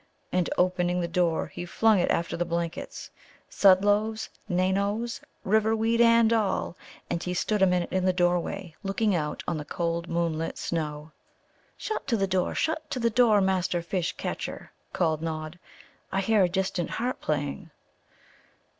And, opening the door, he flung it after the blankets Sudd loaves, Nanoes, river weed, and all. And he stood a minute in the doorway, looking out on the cold, moonlit snow. "Shut to the door, shut to the door, Master Fish catcher," called Nod. "I hear a distant harp playing."